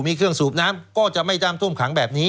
มีเครื่องสูบน้ำก็จะไม่ดำท่วมขังแบบนี้